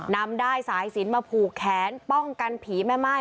นำได้สายสินมาผูกแขนป้องกันผีแม่ม่าย